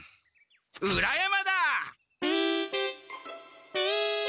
裏山だ！